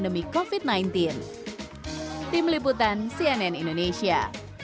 menjadi semangat untuk sama sama bangkit di tengah pandemi covid sembilan belas